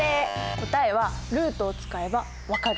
答えはルートを使えば分かる！